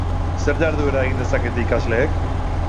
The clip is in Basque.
Zer jarduera egin dezakete ikasleek?